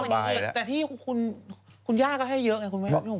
แต่ที่คุณหญ้าก็ให้เยอะไง